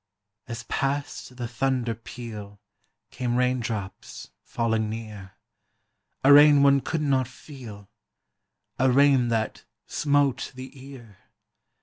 As passed the thunder peal, Came raindrops, falling near, A rain one could not feel, A rain that smote the ear.